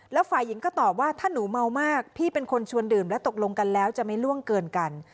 แล้วฝ่ายหญิงก็ตอบว่าถ้าหนูเมามากพี่เป็นคนชวนดื่มและตกลงกันแล้วจะไม่ล่วงเกินกัน